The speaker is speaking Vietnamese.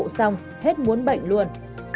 bệnh vụ xong hết muốn bệnh luôn